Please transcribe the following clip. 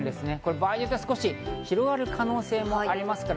場合によっては広がる可能性もありますから。